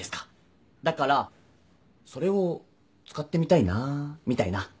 だからそれを使ってみたいなみたいな。